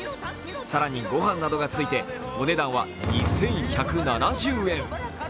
更に御飯などがついてお値段は２１７０円。